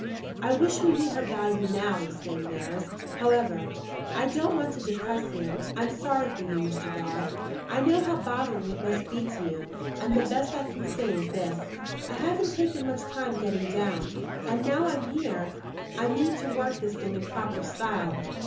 "I wish we knew her value now," exclaimed Nares. "However, I don't want to depress you; I'm sorry for you, Mr. Dodd; I know how bothering it must be to you; and the best I can say's this: I haven't taken much time getting down, and now I'm here I mean to work this thing in proper style.